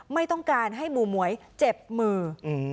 ไม่ต้องการให้หมู่หมวยเจ็บมือ